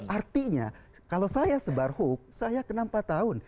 artinya kalau saya sebar hook saya enam empat tahun